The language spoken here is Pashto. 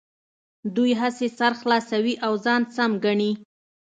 دوی هسې سر خلاصوي او ځان سم ګڼي.